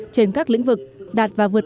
trên các lĩnh vực đạt và vượt một mươi ba